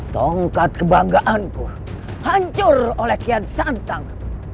tongkat kebanggaanku hancur oleh kian santang